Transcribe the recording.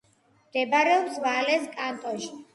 მდებარეობს ვალეს კანტონში.